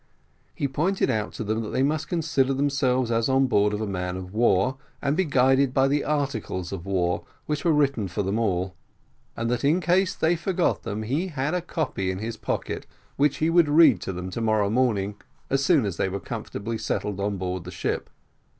He pointed out to them that they must consider themselves as on board of a man of war, and be guided by the articles of war, which were written for them all and that in case they forgot them, he had a copy in his pocket, which he would read to them to morrow morning, as soon as they were comfortably settled on board of the ship.